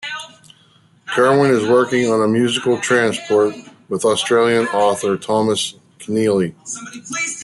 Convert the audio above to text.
Kirwan is working on a musical: "Transport", with Australian author Thomas Keneally.